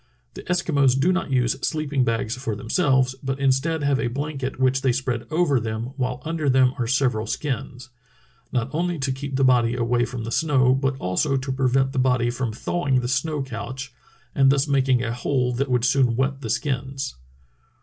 The Eskimos do not use sleeping bags for themselves, but instead have a blanket which they spread over them, while under them are several skins, not only to keep the body away from the snow, but also to prevent the body from thawing the snow couch and thus making a hole that would soon wet the skins.